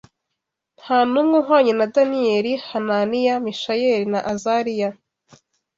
nta n’umwe uhwanye na Daniyeli, Hananiya, Mishayeli na Azariya